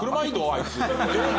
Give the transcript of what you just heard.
あいつ。